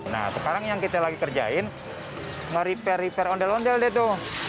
nah sekarang yang kita lagi kerjain nge repair repair ondel ondel deh tuh